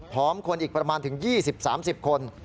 คนอีกประมาณถึง๒๐๓๐คน